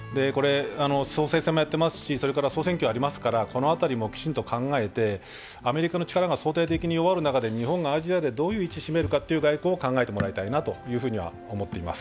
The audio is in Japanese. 総裁選もやってますし、総選挙もありますからこの辺りもきちんと考えて、アメリカの力が総体的に弱る中で、日本がアジアでどういう位置を占めるかの外交を考えてもらいたいと思っています。